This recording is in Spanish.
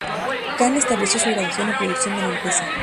Khan estableció su grabación y producción de la empresa.